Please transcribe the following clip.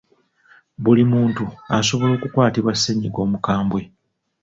Buli muntu asobola okukwatibwa ssennyiga omukambwe.